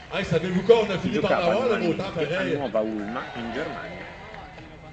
Si giocava annualmente a Nuova Ulma in Germania.